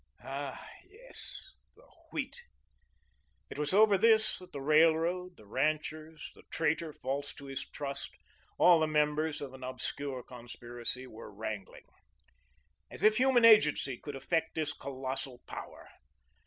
Ah, yes, the Wheat it was over this that the Railroad, the ranchers, the traitor false to his trust, all the members of an obscure conspiracy, were wrangling. As if human agency could affect this colossal power!